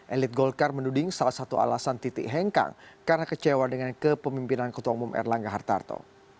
elit golkar menuding salah satu alasan titik hengkang karena kecewa dengan kepemimpinan ketua umum erlangga hartarto